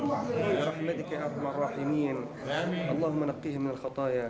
berahmadika ya arhamar rahimin allahumma nakkihim minal khataya